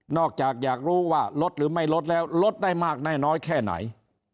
จากอยากรู้ว่าลดหรือไม่ลดแล้วลดได้มากได้น้อยแค่ไหน